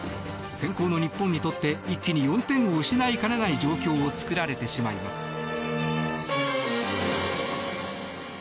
先攻の日本にとって一気に４点を失いかねない状況を作られてしまいます。